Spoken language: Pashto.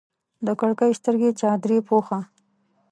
د کړکۍ سترګې چادرې پوښه